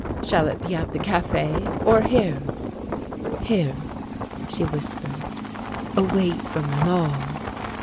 Shall it be at the café or here?" "Here," she whispered, "away from them all."